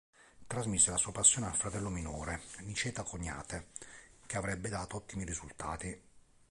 Trasmise la sua passione al fratello minore, Niceta Coniate, che avrebbe dato ottimi risultati.